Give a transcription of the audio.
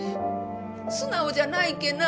素直じゃないけな。